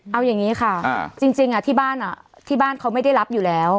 เอาอย่างนี้ค่ะจริงที่บ้านที่บ้านเขาไม่ได้รับอยู่แล้ว